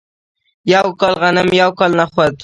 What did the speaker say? یو کال غنم یو کال نخود.